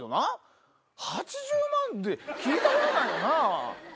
８０万って聞いたことないよな。